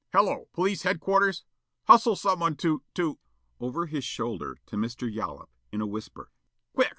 "Hello! Police headquarters? ... Hustle someone to to (over his shoulder to Mr. Yollop, in a whisper,) quick!